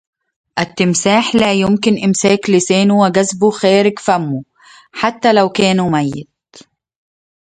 التمساح لا يمكن إمساك لسانه وجذبه خارج فمه حتى لو كان ميت.